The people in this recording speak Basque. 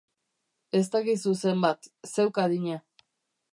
Ez dakizu zenbat, zeuk adina.